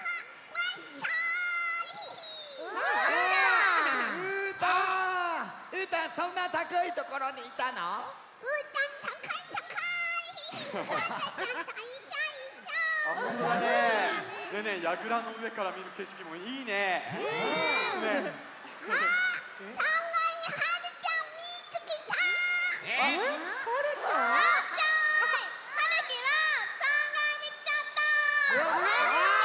ワッショーイ！はるきは３がいにきちゃった！